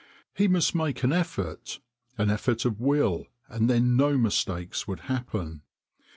He must make an effort, an effort of will, and then no mistakes would happen.